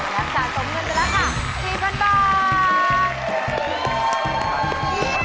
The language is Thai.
ข้าว๒และ๓ตรงเงินไปแล้วค่ะ